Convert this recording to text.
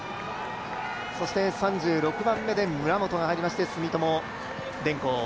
そして３６番目で村本が入りまして住友電工。